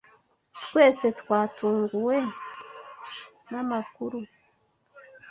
Twese twatunguwe namakuru